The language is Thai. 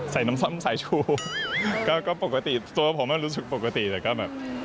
ใส่น้ำซ้ำสายชูก็ปกติตัวผมรู้สึกปกติแต่ก็เขินเขินนิดหนึ่ง